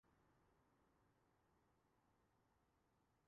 اﷲ کے رسولﷺ نے اگر دین کے باب میں کچھ فرمایا ہے۔